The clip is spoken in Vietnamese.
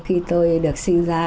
khi tôi được sinh ra